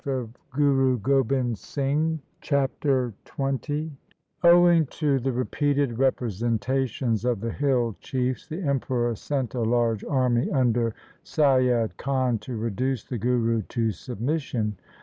V M 162 THE SIKH RELIGION Chapter XX Owing to the repeated representations of the hill chiefs, the Emperor sent a large army under Saiyad Khan to reduce the Guru to submission.